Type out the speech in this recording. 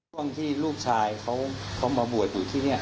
ช่วงที่ลูกชายเขามาบวชอยู่ที่นี่